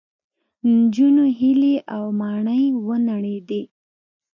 د نجونو هیلې او ماڼۍ ونړېدې